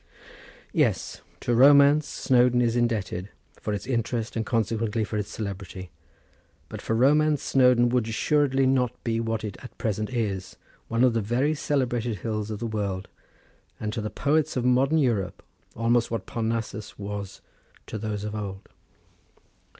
Yes, to romance Snowdon is indebted for its interest and consequently for its celebrity; but for romance Snowdon would assuredly not be what it at present is, one of the very celebrated hills of the world, and to the poets of modern Europe almost what Parnassus was to those of old.